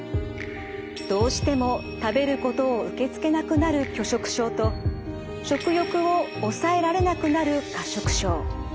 どうしても食べることを受け付けなくなる拒食症と食欲を抑えられなくなる過食症。